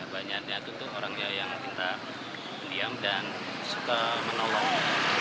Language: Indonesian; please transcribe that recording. banyaknya itu orangnya yang pintar diam dan suka menolong